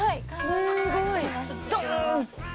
すごい！ドーン！って。